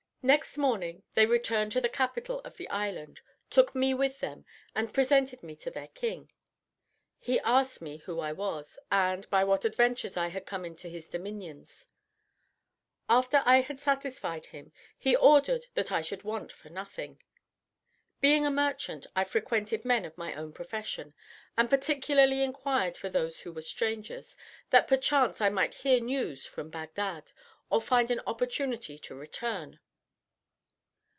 Next morning they returned to the capital of the island, took me with them, and presented me to their king. He asked me who I was, and by what adventure I had come into his dominions. After I had satisfied him, he ordered that I should want for nothing. Being a merchant, I frequented men of my own profession, and particularly inquired for those who were strangers, that perchance I might hear news from Bagdad, or find an opportunity to return.